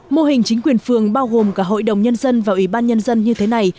mô hình chính quyền phường bao gồm cả hội đồng nhân dân và ủy ban nhân dân như thế này